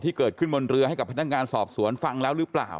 เกิดขึ้นบนเรือให้กับพนักงานสอบสวนฟังแล้วหรือเปล่า